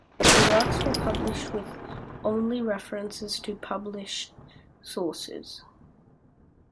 The works were published with only references to published sources.